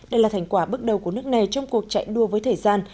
đây là thành quả bước đầu của nước này trong cuộc chạy đua với thời gian